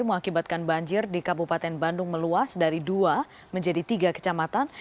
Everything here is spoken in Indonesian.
mengakibatkan banjir di kabupaten bandung meluas dari dua menjadi tiga kecamatan